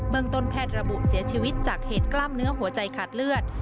เมืองต้นแพทย์ระบุเสียชีวิตจากเหตุกล้ามเนื้อหัวใจขาดเลือด